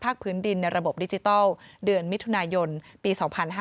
พื้นดินในระบบดิจิทัลเดือนมิถุนายนปี๒๕๕๙